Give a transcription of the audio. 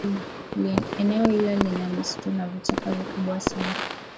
eneo hilo lina misitu na vichaka vikubwa sana